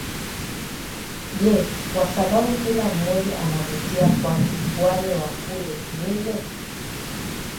ja kwa sababu kila mmoja anavutia kwake wale wa kule nile